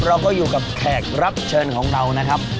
เราก็อยู่กับแขกรับเชิญของเรานะครับ